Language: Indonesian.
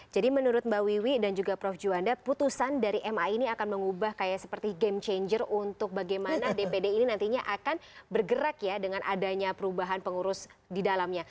jadi menurut mbak wiwi dan juga prof juwanda putusan dari ma ini akan mengubah kayak seperti game changer untuk bagaimana dpd ini nantinya akan bergerak ya dengan adanya perubahan pengurus di dalamnya